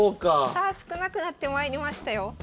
さあ少なくなってまいりましたよ。